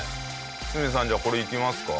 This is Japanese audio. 堤さんじゃあこれいきますか？